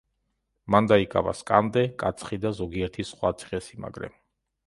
მან დაიკავა სკანდე, კაცხი და ზოგიერთი სხვა ციხესიმაგრე.